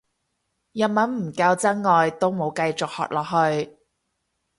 日文唔夠真愛都冇繼續學落去